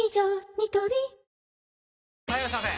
ニトリ・はいいらっしゃいませ！